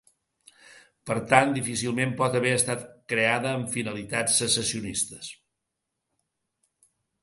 Per tant, difícilment pot haver estat creada amb ‘finalitats secessionistes’.